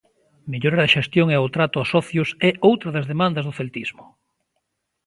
Mellorar a xestión e o trato aos socios é outra das demandas do celtismo.